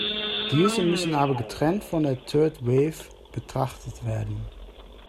Diese müssen aber getrennt von der Third Wave betrachtet werden.